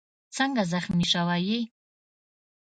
څنګه زخمي شوی یې؟